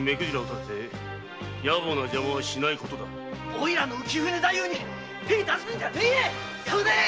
おいらの浮舟太夫に手を出すんじゃねえやい！